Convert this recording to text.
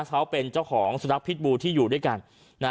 เขาเป็นเจ้าของสุนัขพิษบูที่อยู่ด้วยกัน